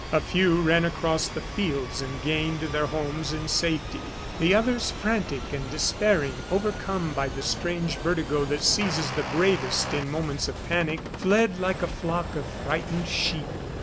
A few ran across the fields and gained their homes in safety; the others, frantic and despairing, overcome by the strange vertigo that seizes the bravest in moments of panic, fled like a flock of frightened sheep.